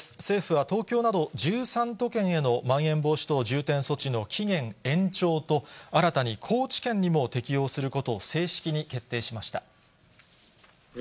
政府は東京など１３都県へのまん延防止等重点措置の期限延長と、新たに高知県にも適用することを正式に決定しました。